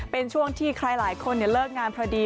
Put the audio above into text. เป็นช่วงที่ใครหลายคนเลิกงานพอดี